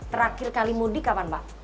terakhir kali mudik kapan pak